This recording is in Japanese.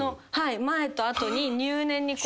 前と後に入念にこう。